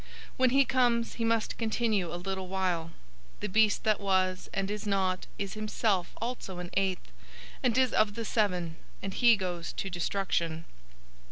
When he comes, he must continue a little while. 017:011 The beast that was, and is not, is himself also an eighth, and is of the seven; and he goes to destruction.